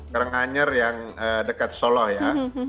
karanganyar yang dekat solo ya